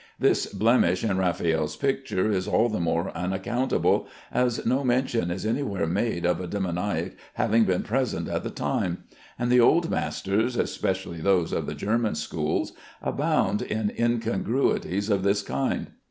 This blemish in Raffaelle's picture is all the more unaccountable, as no mention is anywhere made of a demoniac having been present at the time; but the old masters (especially those of the German schools) abound in incongruities of this kind.